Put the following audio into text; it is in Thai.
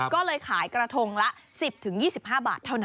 ก็เลยขายกระทงละ๑๐๒๕บาทเท่านั้น